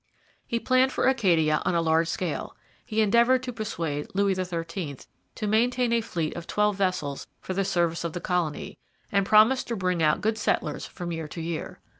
He planned for Acadia on a large scale. He endeavoured to persuade Louis XIII to maintain a fleet of twelve vessels for the service of the colony, and promised to bring out good settlers from year to year.